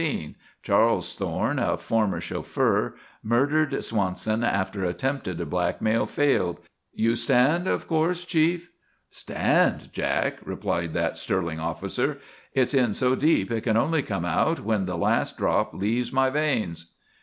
Charles Thorne, a former chauffeur, murdered Swanson after attempted blackmail failed. You stand, of course, chief?" "Stand, Jack?" replied that sterling officer, "it's in so deep it can only come out when the last drop leaves my veins."